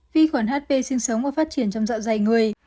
vi khuẩn hp sinh sống và phát triển trong dạ dày người